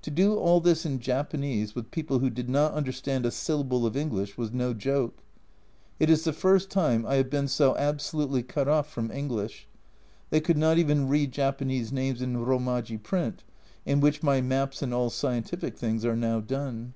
To do all this in Japanese with people who did not understand a syllable of English, was no joke ! It is the first time I have been so absolutely cut off from English ; they could not even read Japanese names in Romaji print, in which my maps and all scientific things are now done.